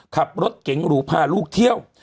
ขับรถเก๋งหรูพาลูกเที่ยว